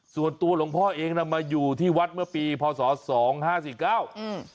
ส่วนตัวหลวงพ่อเองน่ะมาอยู่ที่วัดเมื่อปีพศสองห้าสี่เก้าอืม